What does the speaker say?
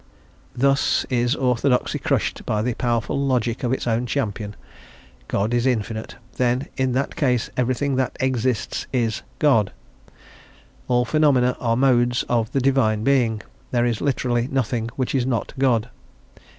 Thus is orthodoxy crushed by the powerful logic of its own champion. God is infinite; then, in that case, everything that exists is God; all phenomena are modes of the Divine Being; there is literally nothing which is not God.